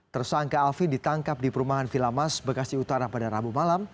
tersangka alvin ditangkap di perumahan villamas bekasi utara pada rabu malam